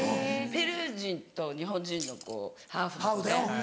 ペルー人と日本人のハーフの子で。